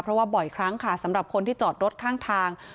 เพราะว่าบ่อยครั้งค่ะสำหรับคนที่จอดรถข้างทาง